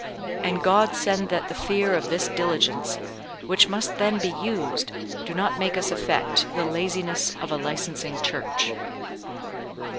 And God send that the fear of this diligence, which must then be used, do not make us affect the laziness of a licensing Church.